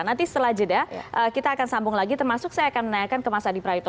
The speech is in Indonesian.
nanti setelah jeda kita akan sambung lagi termasuk saya akan menanyakan kemas adipra itu